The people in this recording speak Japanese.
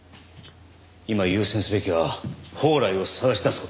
今優先すべきは宝来を捜し出す事。